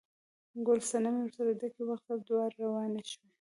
ګل صنمې ورسره ډکي واخیستل، دواړه روانې شوې.